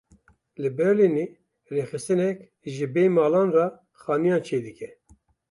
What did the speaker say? Li Berlînê rêxistinek ji bêmalan re xaniyan çê dike.